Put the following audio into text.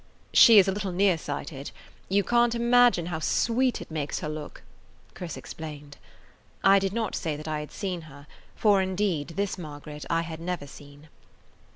"She is a little near sighted; you can't imagine how sweet it makes her [Page 66] look," Chris explained. (I did not say that I had seen her, for, indeed, this Margaret I had never seen.)